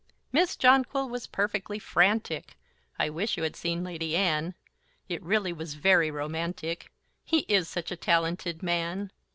Miss Jonquil was perfectly frantic; I wish you had seen Lady Anne! It really was very romantic, He is such a talanted man!